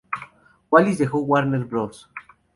Wallis dejó Warner Bros.